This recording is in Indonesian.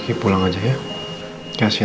tapi siapa yang sayang yang harus kita simpan